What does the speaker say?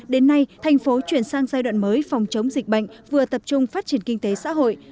đến nay thành phố chuyển sang giai đoạn mới phòng chống dịch bệnh vừa tập trung phát triển kinh tế xã hội